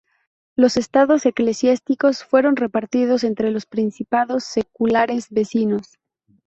Los estados eclesiásticos fueron repartidos entre los principados seculares vecinos.